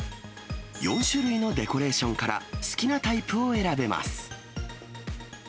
４種類のデコレーションから好きなタイプを選べます。